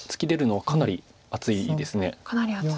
はい。